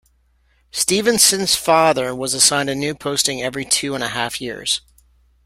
Stevenson's father was assigned a new posting every two and a half years.